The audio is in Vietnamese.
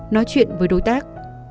nói chuyện với đối tác